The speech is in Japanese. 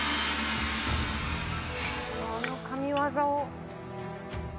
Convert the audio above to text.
あの神技を。